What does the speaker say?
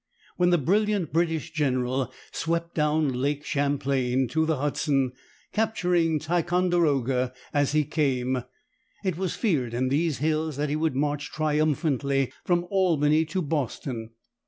When the brilliant British general swept down Lake Champlain to the Hudson, capturing Ticonderoga as he came, it was feared in these hills that he would march triumphantly from Albany to Boston.